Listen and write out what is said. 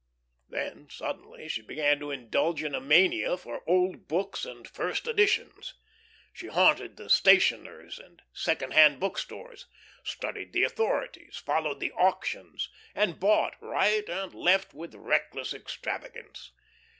Then suddenly she began to indulge in a mania for old books and first editions. She haunted the stationers and second hand bookstores, studied the authorities, followed the auctions, and bought right and left, with reckless extravagance.